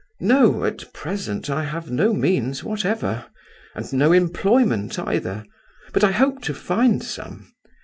No; at present I have no means whatever, and no employment either, but I hope to find some.